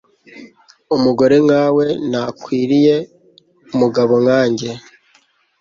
Umugore nkawe ntakwiriye umugabo nkanjye.